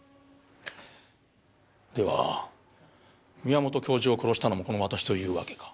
では宮本教授を殺したのもこの私というわけか？